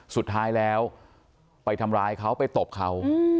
สุดท้ายแล้วไปทำร้ายเขาไปตบเขา